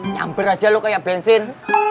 nyamber aja lo kayak bensin